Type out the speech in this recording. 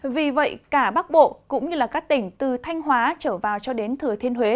vì vậy cả bắc bộ cũng như các tỉnh từ thanh hóa trở vào cho đến thừa thiên huế